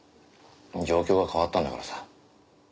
状況が変わったんだからさ。